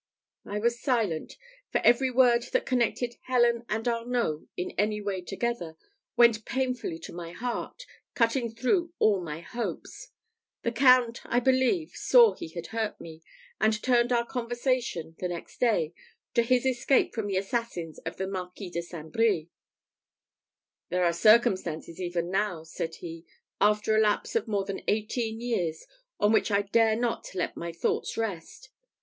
I was silent; for every word that connected Helen and Arnault in any way together, went painfully to my heart, cutting through all my hopes. The count, I believe, saw he had hurt me, and turned our conversation, the next day, to his escape from the assassins of the Marquis de St. Brie. "There are circumstances even now," said he, "after a lapse of more than eighteen years, on which I dare not let my thoughts rest.